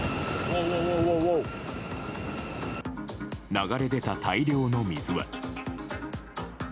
流れ出た大量の水は。